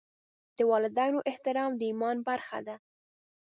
د والدینو احترام د ایمان برخه ده.